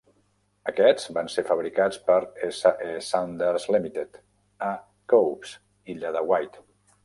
Aquests van ser fabricats per SE Saunders Limited a Cowes, Illa de Wight.